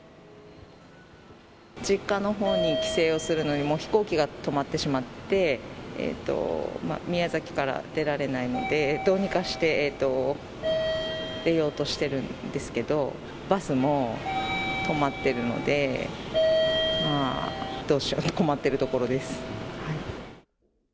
実家のほうに帰省をするのに、もう飛行機が止まってしまって、宮崎から出られないので、どうにかして出ようとしてるんですけど、バスも止まってるので、どうしようと困っているところです。